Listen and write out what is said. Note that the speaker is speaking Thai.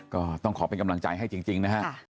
ก็ต้องขอเป็นกำลังใจให้จริงนะฮะ